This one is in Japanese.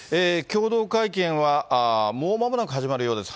共同会見はもうまもなく始まるようです。